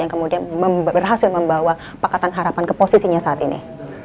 yang kemudian berhasil membawa pakatan harapan ke posisinya saat ini